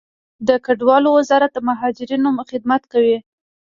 د کډوالو وزارت د مهاجرینو خدمت کوي